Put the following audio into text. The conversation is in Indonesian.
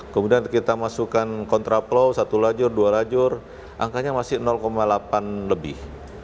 kemudian kita masukkan kontraplow satu lajur dua lajur angkanya masih delapan lebih